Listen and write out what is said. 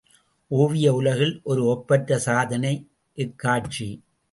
ஓவிய உலகில் ஒரு ஒப்பற்ற சாதனை இக்காட்சி.